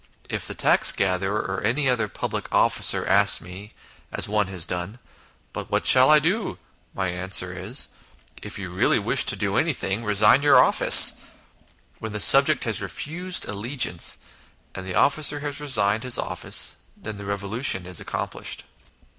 If the tax gatherer or any other public officer asks me, as one has done, ' But what shall I do ?' my answer is, ' If you really wish to do anything, resign your office.' When the subject has refused allegiance, and the officer has resigned his office, then the revolution is accomplished."